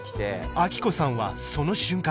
アキコさんはその瞬間